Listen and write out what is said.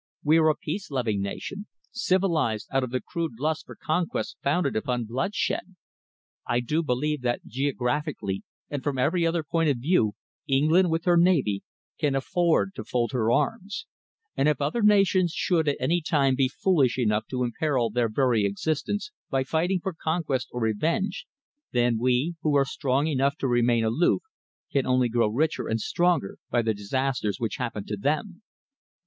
We are a peace loving nation, civilised out of the crude lust for conquest founded upon bloodshed. I do believe that geographically and from every other point of view, England, with her navy, can afford to fold her arms, and if other nations should at any time be foolish enough to imperil their very existence by fighting for conquest or revenge, then we, who are strong enough to remain aloof, can only grow richer and stronger by the disasters which happen to them."